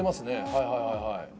はいはいはいはい。